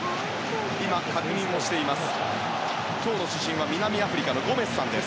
今、確認をしています。